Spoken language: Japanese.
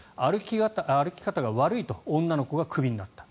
歩き方が悪いと女の子がクビになった。